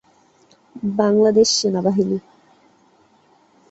বাংলাদেশ সেনাবাহিনী